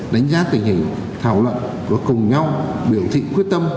đánh giá tình hình thảo luận và cùng nhau biểu thị quyết tâm